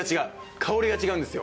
香りが違うんですよ！